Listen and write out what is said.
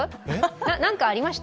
何かありました？